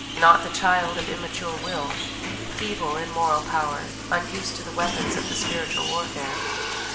Not the child, immature of will, feeble in moral power, unused to the weapons of the spiritual warfare.